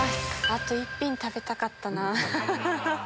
あと１品食べたかったなぁ。